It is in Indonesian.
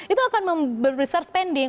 itu akan membesar spending